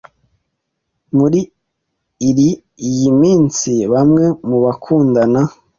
Muri iri iyi minsi bamwe mu bakundana